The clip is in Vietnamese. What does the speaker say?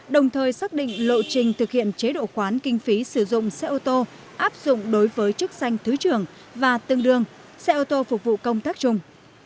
đồng thời xác định lộ trình thực hiện chế độ khoán kinh phí sử dụng xe ô tô áp dụng đối với chức danh thứ trưởng và tương đương xe ô tô phục vụ công tác chung